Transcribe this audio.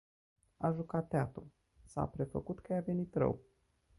A jucat teatru, s-a prefăcut că i-a venit rău.